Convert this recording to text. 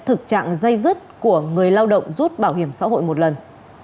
thực trạng dây dứt của người lao động rút bảo hiểm xã hội một lần